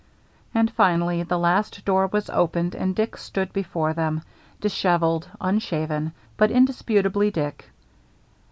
And finally the last door was opened and Dick stood before them, dishevelled, unshaven, but indisputably Dick.